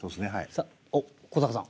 さあおっ古坂さん。